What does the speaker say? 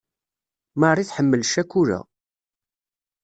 Mari tḥemmel ccakula.